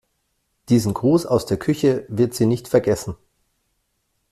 Diesen Gruß aus der Küche wird sie nicht vergessen.